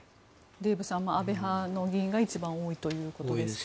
デーブさん安倍派の議員が一番多いということです。